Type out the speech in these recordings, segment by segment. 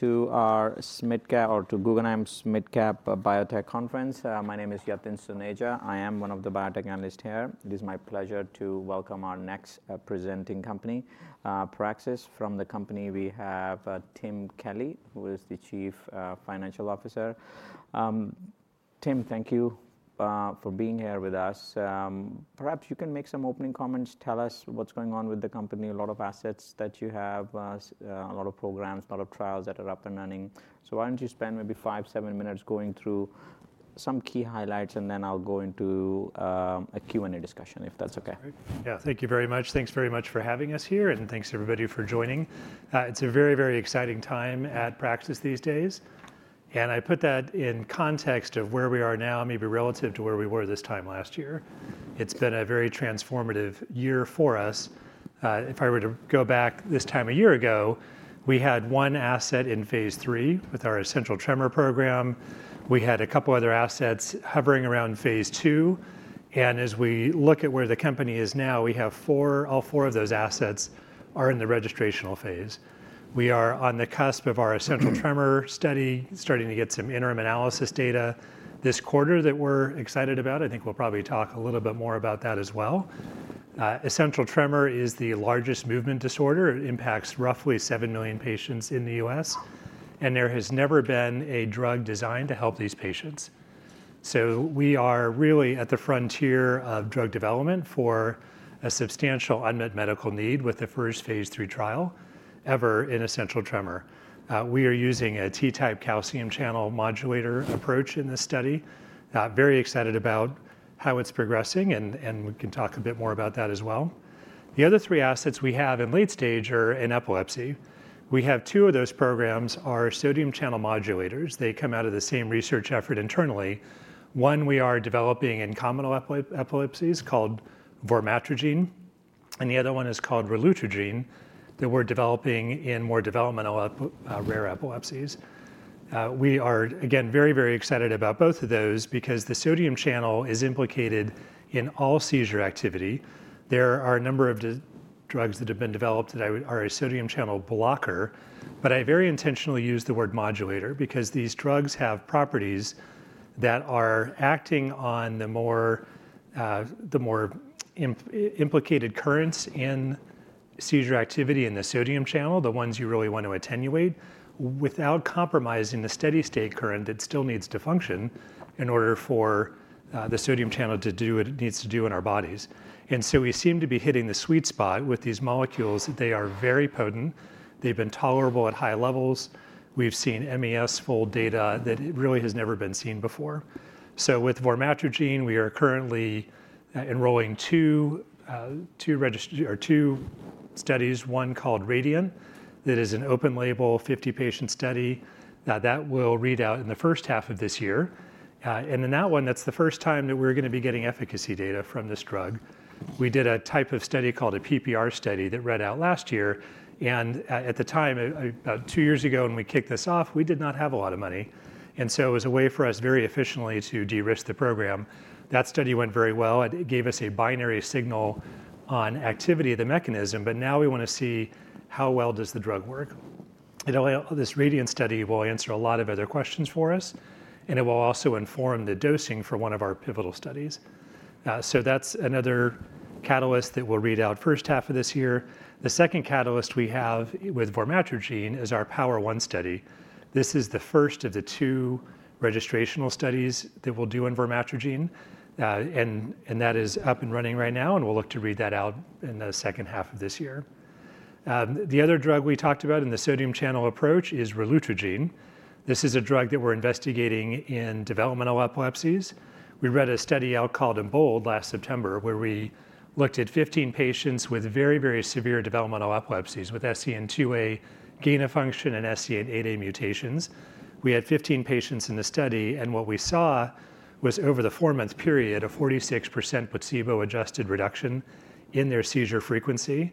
To our SMID Cap or to Guggenheim SMID Cap Biotech Conference. My name is Yatin Suneja. I am one of the biotech analysts here. It is my pleasure to welcome our next presenting company, Praxis. From the company, we have Tim Kelly, who is the Chief Financial Officer. Tim, thank you for being here with us. Perhaps you can make some opening comments. Tell us what's going on with the company, a lot of assets that you have, a lot of programs, a lot of trials that are up and running. So why don't you spend maybe five, seven minutes going through some key highlights, and then I'll go into a Q&A discussion, if that's OK. Yeah, thank you very much. Thanks very much for having us here, and thanks to everybody for joining. It's a very, very exciting time at Praxis these days. And I put that in context of where we are now, maybe relative to where we were this time last year. It's been a very transformative year for us. If I were to go back this time a year ago, we had one asset in phase III with our essential tremor program. We had a couple of other assets hovering around phase II. And as we look at where the company is now, we have four, all four of those assets are in the registrational phase. We are on the cusp of our essential tremor study, starting to get some interim analysis data this quarter that we're excited about. I think we'll probably talk a little bit more about that as well. Essential tremor is the largest movement disorder. It impacts roughly seven million patients in the U.S., and there has never been a drug designed to help these patients. So we are really at the frontier of drug development for a substantial unmet medical need with the first phase III trial ever in essential tremor. We are using a T-type calcium channel modulator approach in this study. Very excited about how it's progressing, and we can talk a bit more about that as well. The other three assets we have in late stage are in epilepsy. We have two of those programs, our sodium channel modulators. They come out of the same research effort internally. One we are developing in common epilepsies called vormatrigine, and the other one is called relutrigine that we're developing in more developmental rare epilepsies. We are, again, very, very excited about both of those because the sodium channel is implicated in all seizure activity. There are a number of drugs that have been developed that are a sodium channel blocker, but I very intentionally use the word modulator because these drugs have properties that are acting on the more implicated currents in seizure activity in the sodium channel, the ones you really want to attenuate, without compromising the steady state current that still needs to function in order for the sodium channel to do what it needs to do in our bodies. And so we seem to be hitting the sweet spot with these molecules. They are very potent. They've been tolerable at high levels. We've seen MES fold data that really has never been seen before. So with vormatrigine, we are currently enrolling two studies: one called RADIANT that is an open-label, 50-patient study that will read out in the first half of this year. And in that one, that's the first time that we're going to be getting efficacy data from this drug. We did a type of study called a PPR study that read out last year. And at the time, about two years ago when we kicked this off, we did not have a lot of money. And so it was a way for us very efficiently to de-risk the program. That study went very well. It gave us a binary signal on activity of the mechanism, but now we want to see how well does the drug work. This RADIANT study will answer a lot of other questions for us, and it will also inform the dosing for one of our pivotal studies. So that's another catalyst that will read out first half of this year. The second catalyst we have with vormatrigine is our POWER1 study. This is the first of the two registrational studies that we'll do in vormatrigine, and that is up and running right now, and we'll look to read that out in the second half of this year. The other drug we talked about in the sodium channel approach is relutrigine. This is a drug that we're investigating in developmental epilepsies. We read a study out called EMBOLD last September where we looked at 15 patients with very, very severe developmental epilepsies with SCN2A gain-of-function and SCN8A mutations. We had 15 patients in the study, and what we saw was over the four-month period, a 46% placebo-adjusted reduction in their seizure frequency.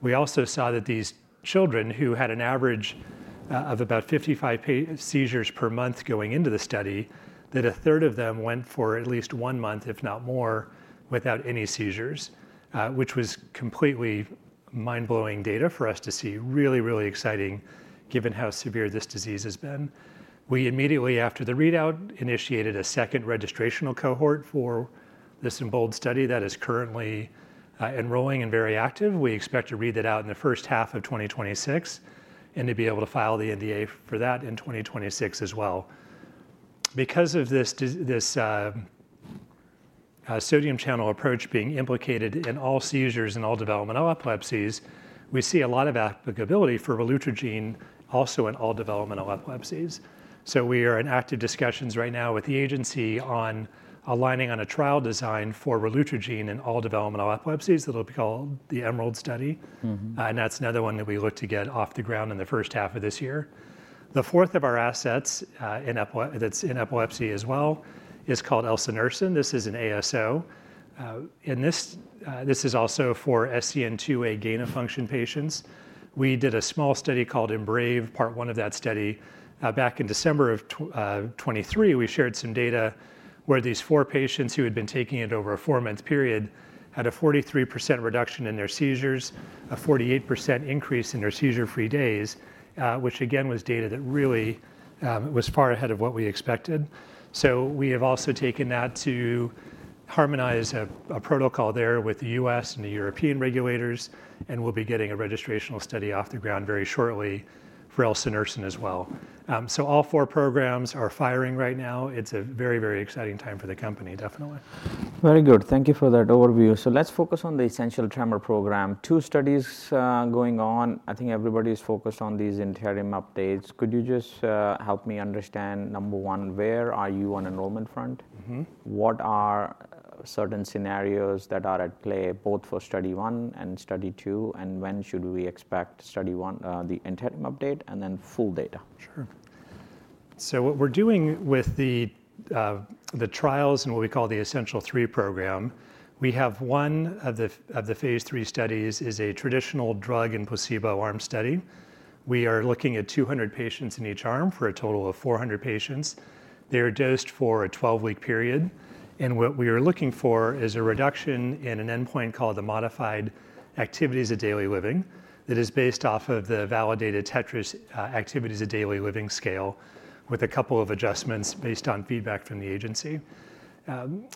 We also saw that these children who had an average of about 55 seizures per month going into the study, that a third of them went for at least one month, if not more, without any seizures, which was completely mind-blowing data for us to see. Really, really exciting given how severe this disease has been. We immediately after the readout initiated a second registrational cohort for this EMBOLD study that is currently enrolling and very active. We expect to read that out in the first half of 2026 and to be able to file the NDA for that in 2026 as well. Because of this sodium channel approach being implicated in all seizures and all developmental epilepsies, we see a lot of applicability for relutrigine also in all developmental epilepsies. So we are in active discussions right now with the agency on aligning on a trial design for relutrigine in all developmental epilepsies that will be called the EMERALD study. And that's another one that we look to get off the ground in the first half of this year. The fourth of our assets that's in epilepsy as well is called elsunersen. This is an ASO. And this is also for SCN2A gain of function patients. We did a small study called EMBRAVE Part 1 of that study back in December of 2023. We shared some data where these four patients who had been taking it over a four-month period had a 43% reduction in their seizures, a 48% increase in their seizure-free days, which again was data that really was far ahead of what we expected. So we have also taken that to harmonize a protocol there with the U.S. and the European regulators, and we'll be getting a registrational study off the ground very shortly for elsunersen as well. So all four programs are firing right now. It's a very, very exciting time for the company, definitely. Very good. Thank you for that overview. So let's focus on the essential tremor program. Two studies going on. I think everybody is focused on these interim updates. Could you just help me understand, number one, where are you on the enrollment front? What are certain scenarios that are at play both for Study 1 and Study 2, and when should we expect the interim update and then full data? Sure. So what we're doing with the trials and what we call the Essential3 program, we have one of the phase III studies is a traditional drug and placebo arm study. We are looking at 200 patients in each arm for a total of 400 patients. They are dosed for a 12-week period, and what we are looking for is a reduction in an endpoint called the Modified Activities of Daily Living that is based off of the validated TETRAS Activities of Daily Living scale with a couple of adjustments based on feedback from the agency, and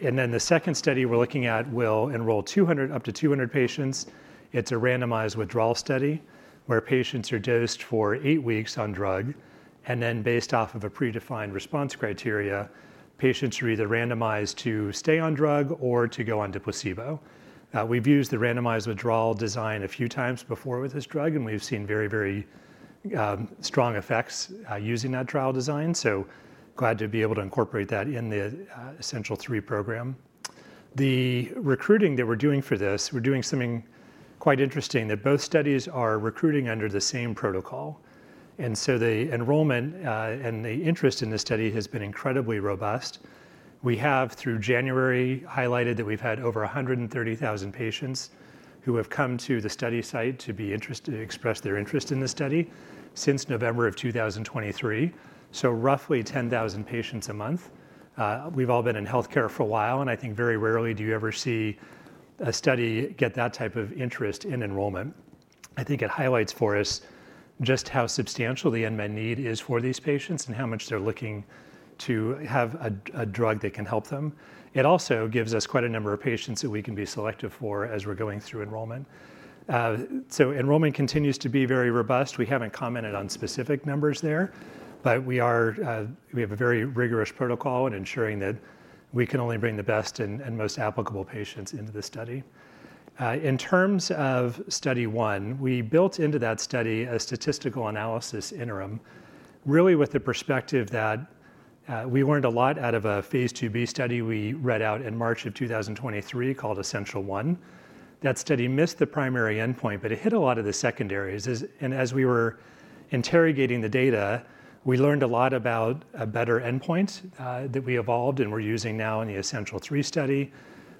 then the second study we're looking at will enroll up to 200 patients. It's a randomized withdrawal study where patients are dosed for eight weeks on drug, and then based off of a predefined response criteria, patients are either randomized to stay on drug or to go on to placebo. We've used the randomized withdrawal design a few times before with this drug, and we've seen very, very strong effects using that trial design, so glad to be able to incorporate that in the Essential3 program. The recruiting that we're doing for this, we're doing something quite interesting that both studies are recruiting under the same protocol, and so the enrollment and the interest in this study has been incredibly robust. We have through January highlighted that we've had over 130,000 patients who have come to the study site to express their interest in the study since November of 2023, so roughly 10,000 patients a month. We've all been in healthcare for a while, and I think very rarely do you ever see a study get that type of interest in enrollment. I think it highlights for us just how substantial the unmet need is for these patients and how much they're looking to have a drug that can help them. It also gives us quite a number of patients that we can be selective for as we're going through enrollment. So enrollment continues to be very robust. We haven't commented on specific numbers there, but we have a very rigorous protocol in ensuring that we can only bring the best and most applicable patients into the study. In terms of Study 1, we built into that study a statistical analysis interim, really with the perspective that we learned a lot out of a phase II-B study we read out in March of 2023 called Essential1. That study missed the primary endpoint, but it hit a lot of the secondaries. As we were interrogating the data, we learned a lot about a better endpoint that we evolved and we're using now in the Essential3 study.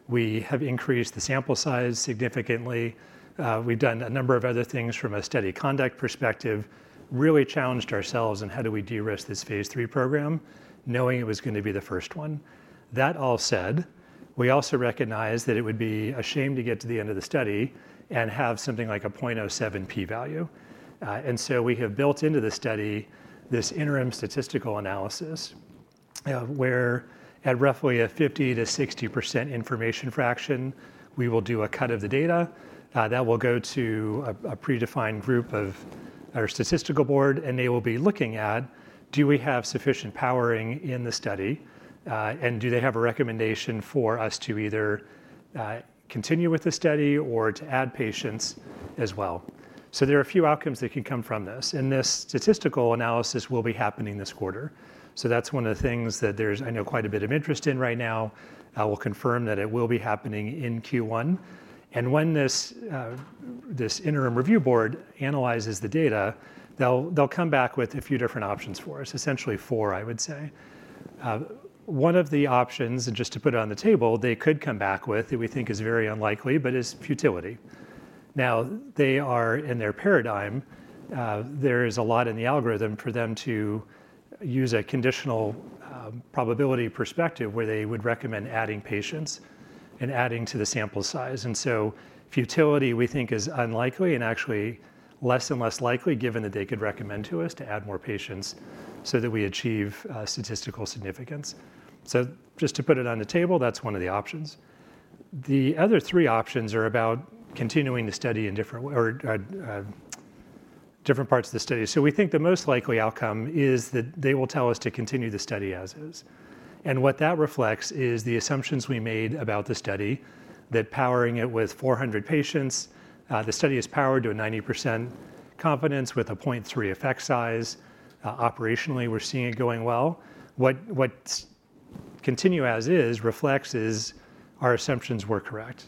We have increased the sample size significantly. We've done a number of other things from a study conduct perspective, really challenged ourselves on how do we de-risk this phase III program, knowing it was going to be the first one. That all said, we also recognize that it would be a shame to get to the end of the study and have something like a 0.07 p-value. We have built into the study this interim statistical analysis where at roughly a 50%-60% information fraction, we will do a cut of the data that will go to a predefined group of our statistical board, and they will be looking at do we have sufficient powering in the study, and do they have a recommendation for us to either continue with the study or to add patients as well. There are a few outcomes that can come from this. This statistical analysis will be happening this quarter. That's one of the things that there's, I know, quite a bit of interest in right now. I will confirm that it will be happening in Q1. When this interim review board analyzes the data, they'll come back with a few different options for us, essentially four, I would say. One of the options, and just to put it on the table, they could come back with that we think is very unlikely, but is futility. Now, they are in their paradigm. There is a lot in the algorithm for them to use a conditional probability perspective where they would recommend adding patients and adding to the sample size, and so futility, we think, is unlikely and actually less and less likely given that they could recommend to us to add more patients so that we achieve statistical significance, so just to put it on the table, that's one of the options. The other three options are about continuing the study in different parts of the study, so we think the most likely outcome is that they will tell us to continue the study as is. And what that reflects is the assumptions we made about the study that powering it with 400 patients. The study is powered to a 90% confidence with a 0.3 effect size. Operationally, we're seeing it going well. What continue as is reflects is our assumptions were correct.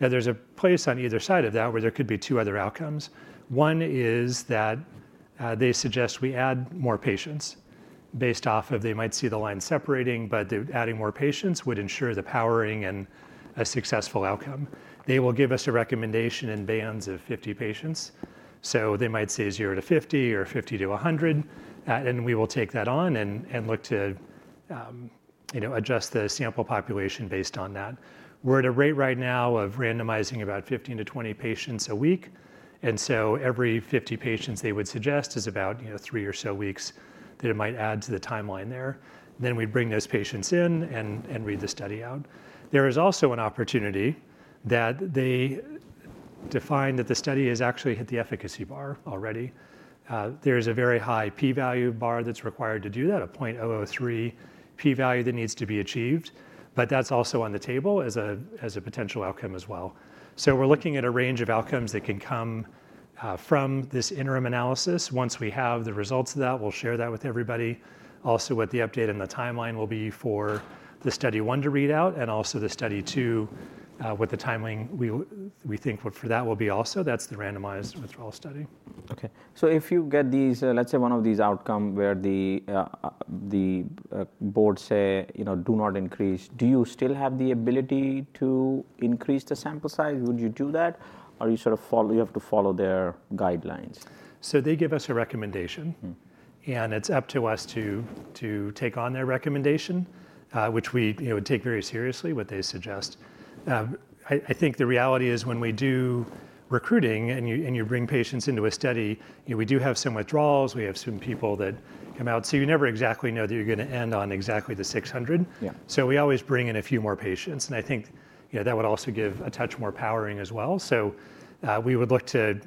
Now, there's a place on either side of that where there could be two other outcomes. One is that they suggest we add more patients based off of they might see the line separating, but adding more patients would ensure the powering and a successful outcome. They will give us a recommendation in bands of 50 patients. So they might say 0-50 or 50-100, and we will take that on and look to adjust the sample population based on that. We're at a rate right now of randomizing about 15-20 patients a week. And so, every 50 patients they would suggest is about three or so weeks that it might add to the timeline there. Then we'd bring those patients in and read the study out. There is also an opportunity that they define that the study has actually hit the efficacy bar already. There is a very high p-value bar that's required to do that, a 0.003 p-value that needs to be achieved, but that's also on the table as a potential outcome as well. So we're looking at a range of outcomes that can come from this interim analysis. Once we have the results of that, we'll share that with everybody. Also, what the update and the timeline will be for the Study 1 to read out and also the Study 2 with the timeline we think for that will be also. That's the randomized withdrawal study. Okay. So if you get these, let's say one of these outcomes where the board say, you know, do not increase, do you still have the ability to increase the sample size? Would you do that? Are you sort of follow? You have to follow their guidelines? So they give us a recommendation, and it's up to us to take on their recommendation, which we would take very seriously, what they suggest. I think the reality is, when we do recruiting and you bring patients into a study, we do have some withdrawals. We have some people that come out. So you never exactly know that you're going to end on exactly the 600. So we always bring in a few more patients. And I think that would also give a touch more powering as well. So we would look to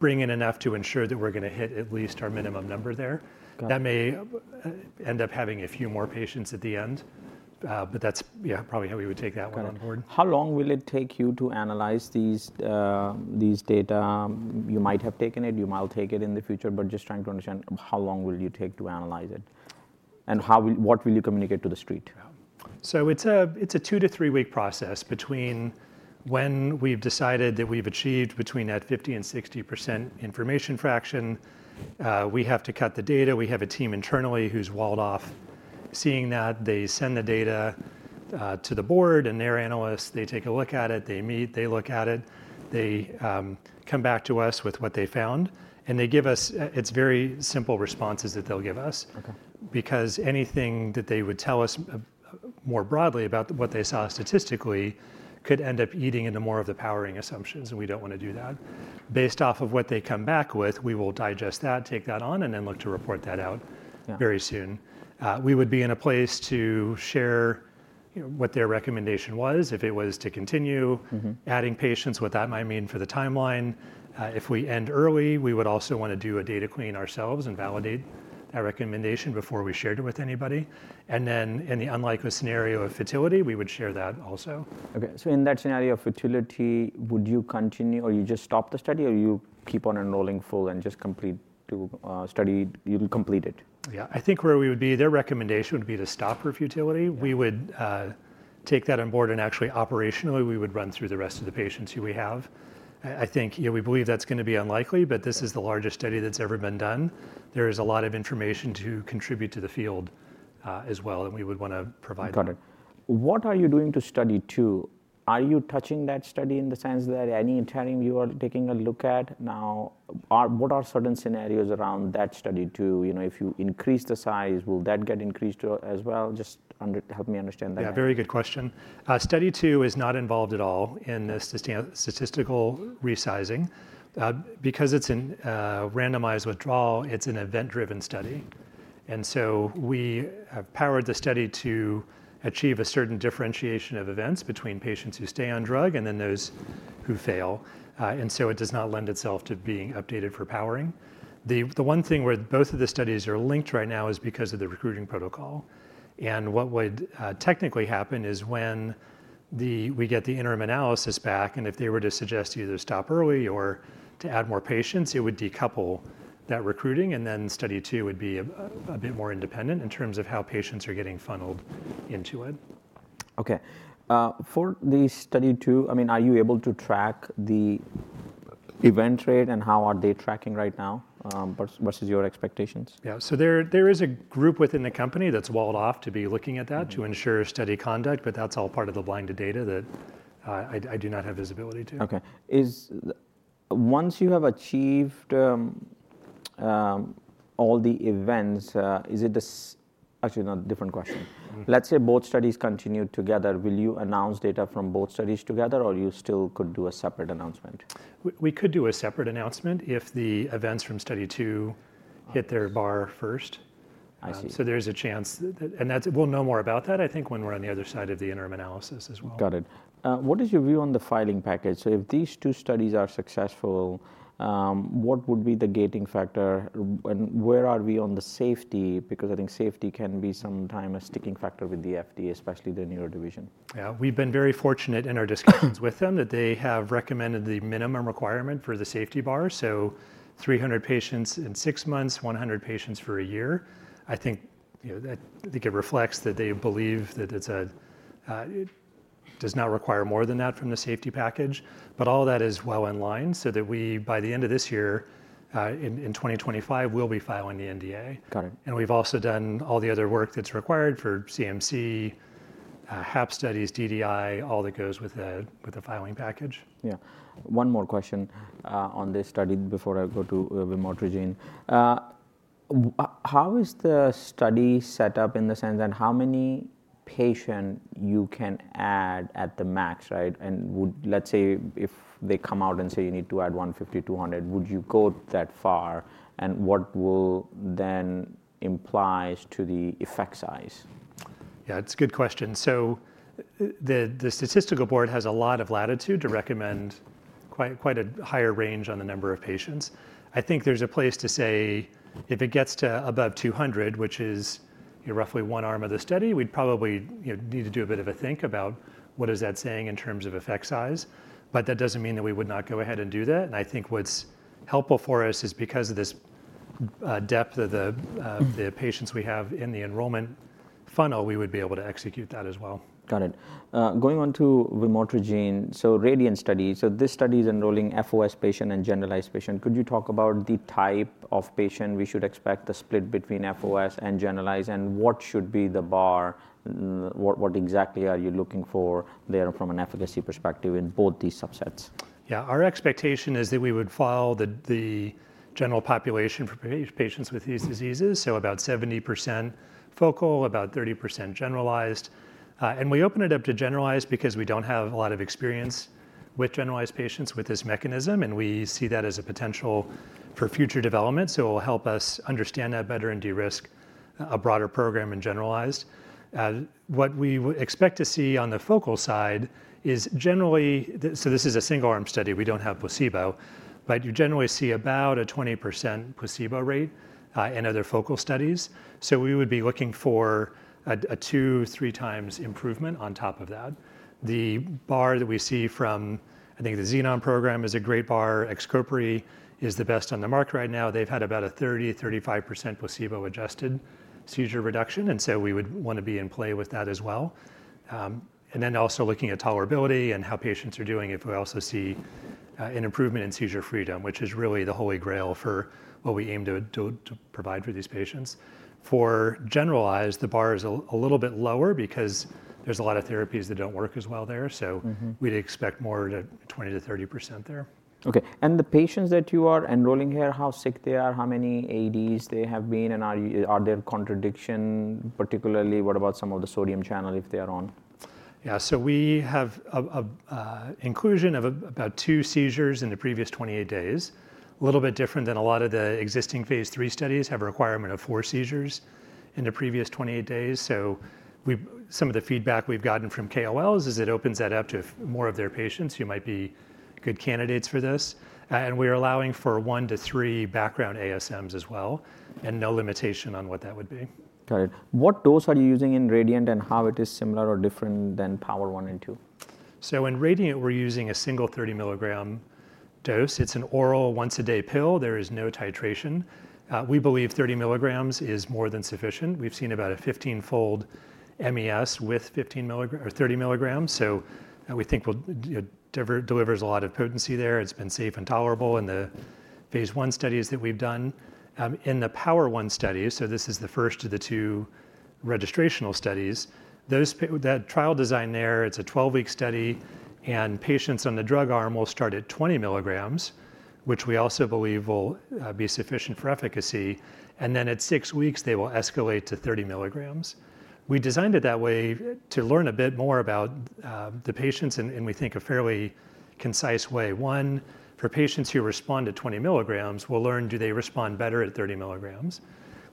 bring in enough to ensure that we're going to hit at least our minimum number there. That may end up having a few more patients at the end, but that's probably how we would take that one on board. How long will it take you to analyze these data? You might have taken it. You might take it in the future, but just trying to understand how long will you take to analyze it and what will you communicate to the street? It's a two- to three-week process between when we've decided that we've achieved between that 50% and 60% information fraction. We have to cut the data. We have a team internally who's walled off seeing that. They send the data to the board and their analysts. They take a look at it. They meet. They look at it. They come back to us with what they found. And they give us. It's very simple responses that they'll give us because anything that they would tell us more broadly about what they saw statistically could end up eating into more of the powering assumptions. And we don't want to do that. Based off of what they come back with, we will digest that, take that on, and then look to report that out very soon. We would be in a place to share what their recommendation was if it was to continue adding patients, what that might mean for the timeline. If we end early, we would also want to do a data clean ourselves and validate that recommendation before we shared it with anybody, and then in the unlikely scenario of futility, we would share that also. Okay. So in that scenario of futility, would you continue or you just stop the study or you keep on enrolling fully and just complete the study? You'll complete it? Yeah. I think where we would be, their recommendation would be to stop for futility. We would take that on board and actually operationally, we would run through the rest of the patients who we have. I think we believe that's going to be unlikely, but this is the largest study that's ever been done. There is a lot of information to contribute to the field as well, and we would want to provide that. Got it. What are you doing to Study 2? Are you touching that study in the sense that any interim you are taking a look at now? What are certain scenarios around that Study 2? If you increase the size, will that get increased as well? Just help me understand that. Yeah, very good question. Study 2 is not involved at all in this statistical resizing. Because it's a randomized withdrawal, it's an event-driven study. And so we have powered the study to achieve a certain differentiation of events between patients who stay on drug and then those who fail. And so it does not lend itself to being updated for powering. The one thing where both of the studies are linked right now is because of the recruiting protocol. And what would technically happen is when we get the interim analysis back and if they were to suggest either stop early or to add more patients, it would decouple that recruiting and then Study 2 would be a bit more independent in terms of how patients are getting funneled into it. Okay. For the Study 2, I mean, are you able to track the event rate and how are they tracking right now versus your expectations? Yeah. So there is a group within the company that's walled off to be looking at that to ensure study conduct, but that's all part of the blinded data that I do not have visibility to. Okay. Once you have achieved all the events, is it actually not a different question. Let's say both studies continue together. Will you announce data from both studies together or you still could do a separate announcement? We could do a separate announcement if the events from Study 2 hit their bar first, so there's a chance, and we'll know more about that, I think, when we're on the other side of the interim analysis as well. Got it. What is your view on the filing package? So if these two studies are successful, what would be the gating factor and where are we on the safety? Because I think safety can be sometimes a sticking factor with the FDA, especially the neuro division. Yeah. We've been very fortunate in our discussions with them that they have recommended the minimum requirement for the safety bar. So 300 patients in six months, 100 patients for a year. I think it reflects that they believe that it does not require more than that from the safety package, but all of that is well in line so that we, by the end of this year, in 2025, we'll be filing the NDA. And we've also done all the other work that's required for CMC, HAP studies, DDI, all that goes with the filing package. Yeah. One more question on this study before I go to vormatrigine. How is the study set up in the sense that how many patients you can add at the max, right? And let's say if they come out and say you need to add 150, 200, would you go that far? And what will then imply to the effect size? Yeah, it's a good question. So the statistical board has a lot of latitude to recommend quite a higher range on the number of patients. I think there's a place to say if it gets to above 200, which is roughly one arm of the study, we'd probably need to do a bit of a think about what is that saying in terms of effect size. But that doesn't mean that we would not go ahead and do that. And I think what's helpful for us is because of this depth of the patients we have in the enrollment funnel, we would be able to execute that as well. Got it. Going on to vormatrigine, so RADIANT study. So this study is enrolling FOS patient and generalized patient. Could you talk about the type of patient we should expect, the split between FOS and generalized, and what should be the bar? What exactly are you looking for there from an efficacy perspective in both these subsets? Yeah. Our expectation is that we would file the general population for patients with these diseases. So about 70% focal, about 30% generalized. We open it up to generalized because we don't have a lot of experience with generalized patients with this mechanism, and we see that as a potential for future development. So it will help us understand that better and de-risk a broader program in generalized. What we would expect to see on the focal side is generally, so this is a single-arm study. We don't have placebo, but you generally see about a 20% placebo rate in other focal studies. So we would be looking for a 2x, 3x improvement on top of that. The bar that we see from, I think the Xenon program is a great bar. XCOPRI is the best on the market right now. They've had about a 30%-35% placebo-adjusted seizure reduction. And so we would want to be in play with that as well. And then also looking at tolerability and how patients are doing, if we also see an improvement in seizure freedom, which is really the holy grail for what we aim to provide for these patients. For generalized, the bar is a little bit lower because there's a lot of therapies that don't work as well there. So we'd expect more to 20%-30% there. Okay, and the patients that you are enrolling here, how sick they are, how many AEDs they have been on, and are there contraindications, particularly, what about some of the sodium channel if they are on? Yeah. So we have an inclusion of about two seizures in the previous 28 days. A little bit different than a lot of the existing phase III studies have a requirement of four seizures in the previous 28 days. So some of the feedback we've gotten from KOLs is it opens that up to more of their patients. You might be good candidates for this. And we are allowing for one to three background ASMs as well and no limitation on what that would be. Got it. What dose are you using in RADIANT and how it is similar or different than POWER1 and POWER2? So in RADIANT, we're using a single 30 mg dose. It's an oral once-a-day pill. There is no titration. We believe 30 mg is more than sufficient. We've seen about a 15-fold MES with 15 mg or 30 mg. So we think it delivers a lot of potency there. It's been safe and tolerable in the phase I studies that we've done. In the POWER1 studies, so this is the first of the two registrational studies, that trial design there, it's a 12-week study and patients on the drug arm will start at 20 mg, which we also believe will be sufficient for efficacy. And then at six weeks, they will escalate to 30 mg. We designed it that way to learn a bit more about the patients in, we think, a fairly concise way. One, for patients who respond to 20 mg, we'll learn do they respond better at 30 mg.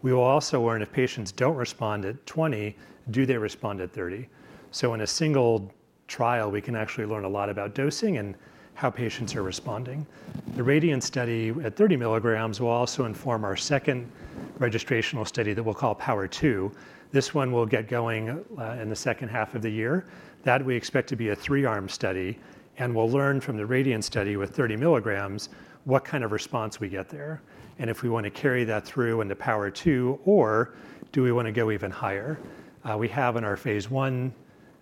We will also learn if patients don't respond at 20 mg, do they respond at 30 mg? So in a single trial, we can actually learn a lot about dosing and how patients are responding. The RADIANT study at 30 mg will also inform our second registrational study that we'll call POWER2. This one will get going in the second half of the year. That we expect to be a three-arm study. And we'll learn from the RADIANT study with 30 mg what kind of response we get there. And if we want to carry that through into POWER2, or do we want to go even higher? We have in our phase I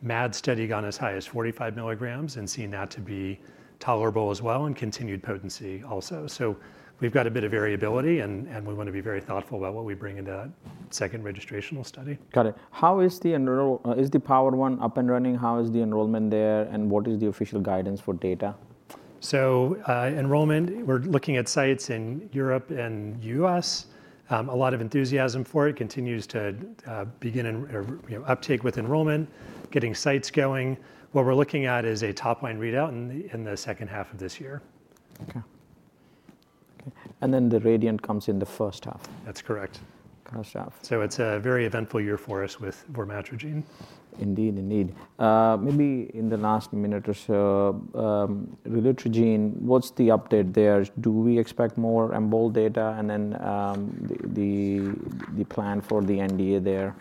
MAD study gone as high as 45 mg and seen that to be tolerable as well and continued potency also. So we've got a bit of variability and we want to be very thoughtful about what we bring into that second registrational study. Got it. How is the POWER1 up and running? How is the enrollment there and what is the official guidance for data? So enrollment, we're looking at sites in Europe and the U.S. A lot of enthusiasm for it continues to begin an uptake with enrollment, getting sites going. What we're looking at is a top-line readout in the second half of this year. Okay, and then the RADIANT comes in the first half. That's correct. First half. So it's a very eventful year for us with vormatrigine. Indeed, indeed. Maybe in the last minute or so, vormatrigine, what's the update there? Do we expect more EMBOLD data and then the plan for the NDA there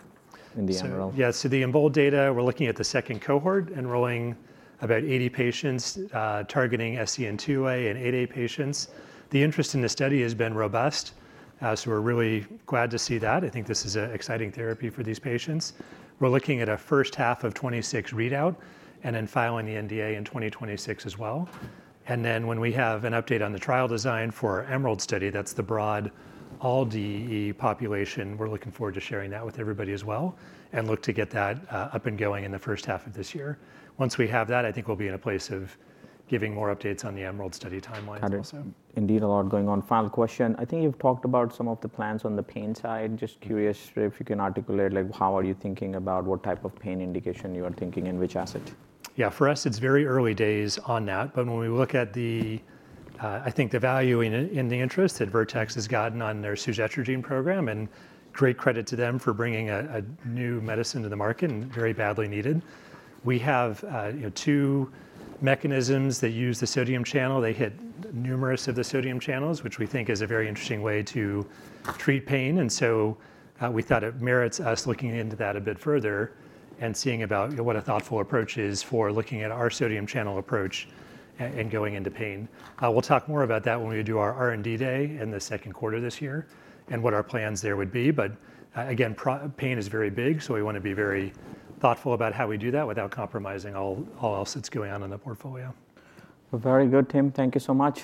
in the interim? Yeah. So the EMBOLD data, we're looking at the second cohort enrolling about 80 patients targeting SCN2A and SCN8A patients. The interest in the study has been robust, so we're really glad to see that. I think this is an exciting therapy for these patients. We're looking at a first half of 2026 readout and then filing the NDA in 2026 as well. When we have an update on the trial design for the EMERALD study, that's the broad all DEE population, we're looking forward to sharing that with everybody as well and look to get that up and going in the first half of this year. Once we have that, I think we'll be in a place of giving more updates on the EMERALD study timeline as well. Indeed, a lot going on. Final question. I think you've talked about some of the plans on the pain side. Just curious if you can articulate how are you thinking about what type of pain indication you are thinking and which asset? Yeah. For us, it's very early days on that. But when we look at the, I think the value in the interest that Vertex has gotten on their suzetrigine program, and great credit to them for bringing a new medicine to the market and very badly needed. We have two mechanisms that use the sodium channel. They hit numerous of the sodium channels, which we think is a very interesting way to treat pain. And so we thought it merits us looking into that a bit further and seeing about what a thoughtful approach is for looking at our sodium channel approach and going into pain. We'll talk more about that when we do our R&D day in the second quarter this year and what our plans there would be. But again, pain is very big, so we want to be very thoughtful about how we do that without compromising all else that's going on in the portfolio. Very good, Tim. Thank you so much.